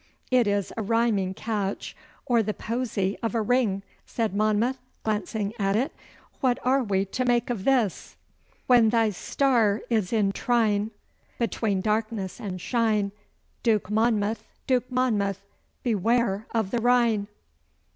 'It is a rhyming catch or the posy of a ring,' said Monmouth, glancing at it. 'What are we to make of this? "When thy star is in trine, Between darkness and shine, Duke Monmouth, Duke Monmouth, Beware of the Rhine!"